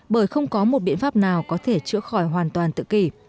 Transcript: bởi không có một biện pháp nào có thể chữa khỏi hoàn toàn tự kỷ